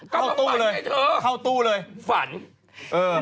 ก็ต้องปั่นให้เธอฝันเข้าตู้เลยเข้าตู้เลย